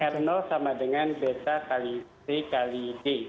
r sama dengan desa kali c kali d